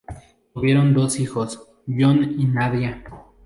Tuvieron dos hijos, John y Nadia.